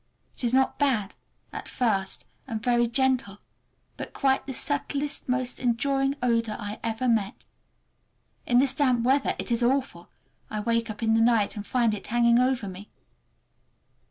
It is not bad—at first, and very gentle, but quite the subtlest, most enduring odor I ever met. In this damp weather it is awful. I wake up in the night and find it hanging over me.